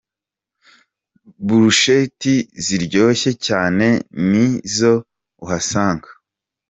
Burusheti ziryoshye cyane ni zo uhasanga.